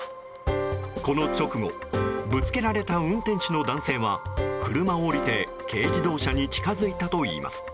この直後ぶつけられた運転手の男性は車を降りて軽自動車に近づいたといいます。